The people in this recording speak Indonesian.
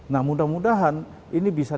nah mudah mudahan ini bisa